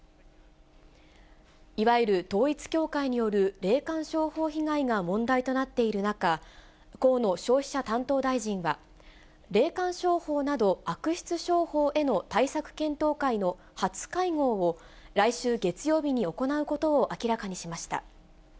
いわゆる統一教会による霊感商法被害が問題となっている中、河野消費者担当大臣は、霊感商法など、悪質商法への対策検討会の初会合を、来週月曜日に行うことを明らかにしました。